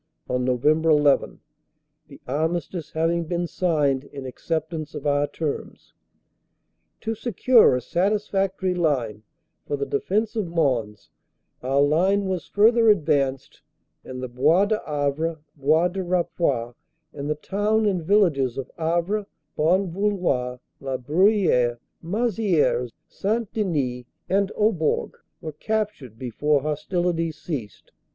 on November 11, the Armistice having been signed in acceptance of our terms, "To secure a satisfactory line for the defense of Mons, our line was further advanced, and the Bois d Havre, Bois du Rapois and the town and villages of Havre, Bon Vouloir, La Bruyere, Maisieres, St. Denis and Obourg were captured before hostilities ceased."